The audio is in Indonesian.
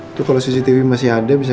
itu kalau cctv masih ada bisa